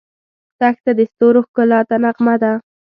دښته د ستورو ښکلا ته نغمه ده.